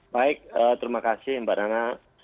baik terima kasih mbak nana